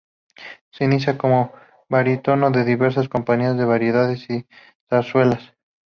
Se inicia como barítono en diversas compañías de variedades y zarzuelas.